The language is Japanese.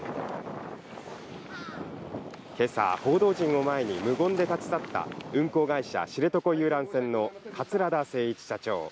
今朝、報道陣を前に無言で立ち去った運航会社・知床遊覧船の桂田精一社長。